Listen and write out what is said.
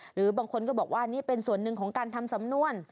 หรือบางคนก็บอกว่านี่เป็นส่วนหนึ่งของการทำสำนวน